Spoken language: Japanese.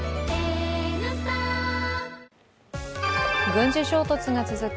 軍事衝突が続く